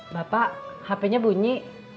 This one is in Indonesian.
bapak hpnya bunyi